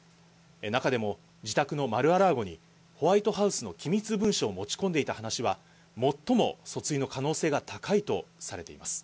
中でも自宅のマー・ア・ラゴにホワイトハウスの機密文書を持ち込んでいた話は最も訴追の可能性が高いとされています。